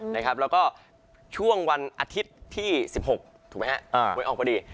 และก็ช่วงวันอาทิตย์ที่๑๖หนึ่งเว้ยออกมาดี